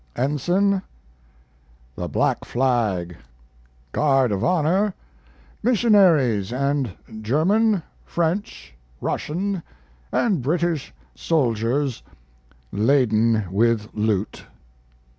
Ensign The Black Flag. Guard of Honor Missionaries and German, French, Russian, and British soldiers laden with loot.